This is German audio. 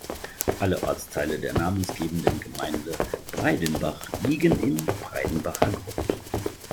Alle Ortsteile der namensgebenden Gemeinde Breidenbach liegen im Breidenbacher Grund.